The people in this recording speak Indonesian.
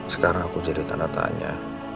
sekarang aku jadi tanda tanya